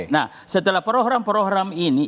nah setelah program program ini